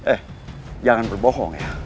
eh jangan berbohong ya